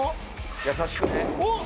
優しくね。